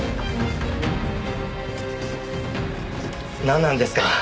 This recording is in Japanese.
なんなんですか？